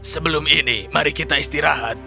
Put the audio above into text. sebelum ini mari kita istirahat